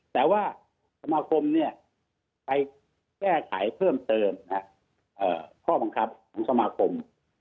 แต่ว่าสมมาคมใกล้แก้ไขเพิ่มเติมข้อบักพรรดิสมาคม